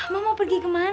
ma mau pergi kemana